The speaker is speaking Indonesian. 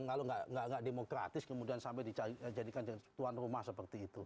gak demokratis kemudian sampai dijadikan tuan rumah seperti itu